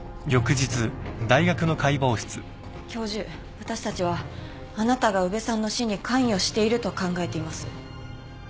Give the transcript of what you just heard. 私たちはあなたが宇部さんの死に関与していると考えています。